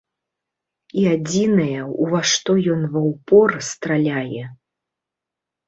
І адзінае, у ва што ён ва ўпор страляе.